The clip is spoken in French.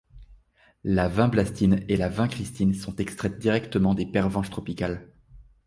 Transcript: La vinblastine et la vincristine sont extraites directement des pervenches tropicales.